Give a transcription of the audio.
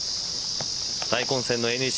大混戦のＮＥＣ